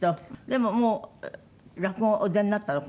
でももう落語お出になったの？